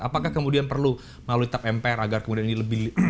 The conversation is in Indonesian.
apakah kemudian perlu melalui tap mpr agar kemudian ini lebih kuat lagi pak